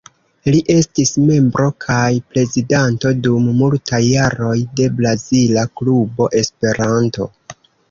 Li estis membro kaj prezidanto, dum multaj jaroj, de Brazila Klubo Esperanto.